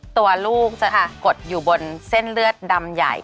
ตัวลูกจะกดอยู่บนเส้นเลือดดำใหญ่